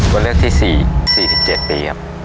ตัวเลือกที่๔๗ปีครับ